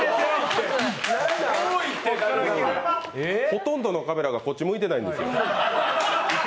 ほとんどのカメラがこっち向いてないんですよ。